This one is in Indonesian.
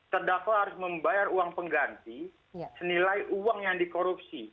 terdakwa harus membayar uang pengganti senilai uang yang dikorupsi